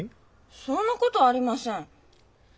そんなことありません。